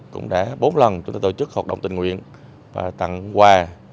cũng đã bốn lần chúng tôi tổ chức hoạt động tình nguyện và tặng quà